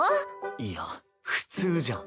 いや普通じゃん。